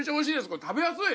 これ食べやすい！